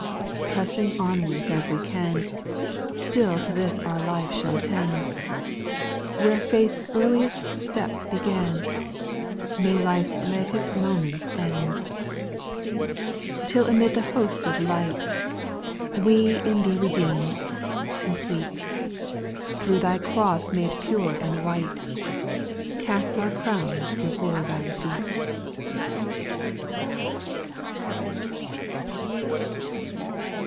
6, Pressing onwards as we can, Still to this our life shall tend ; Where faith's earliest steps began, May life's latest moments end I 6. 'Till amid the hosts of light, We in Thee redeem'd, complete. Through Thy cross made pure and white, Cast our crowns before Thv feet.